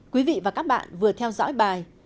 quý vị và các bạn vừa theo dõi bài